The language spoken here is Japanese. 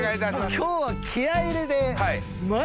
今日は気合入れて。